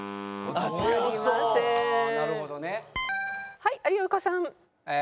はい有岡さん。